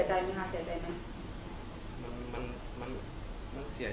ได้ผมรับรับมา๒๐ต่อปีแล้ว